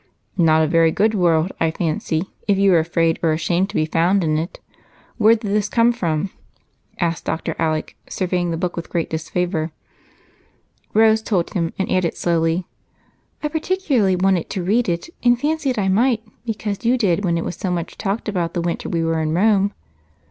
"Not a very good world, I fancy, if you were afraid or ashamed to be found in it. Where did this come from?" asked Dr. Alec, surveying the book with great disfavor. Rose told him, and added slowly, "I particularly wanted to read it, and fancied I might, because you did when it was so much talked about the winter we were in Rome."